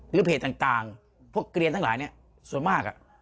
หรือเพจต่างพวกเรียนตั้งหลายส่วนมากค่ะ